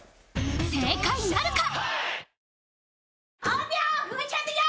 正解なるか？